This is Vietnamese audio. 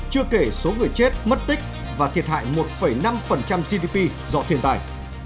chưa kể số người chết mất tích và thiệt hại một năm gdp do thiên tài